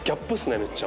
めっちゃ。